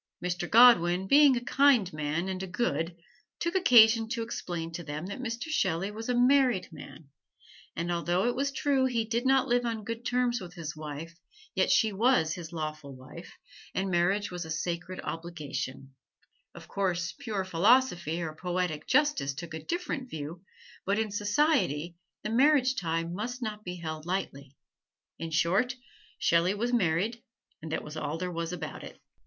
Mr. Godwin, being a kind man and a good, took occasion to explain to them that Mr. Shelley was a married man, and although it was true he did not live on good terms with his wife, yet she was his lawful wife, and marriage was a sacred obligation: of course, pure philosophy or poetic justice took a different view, but in society the marriage tie must not be held lightly. In short, Shelley was married and that was all there was about it.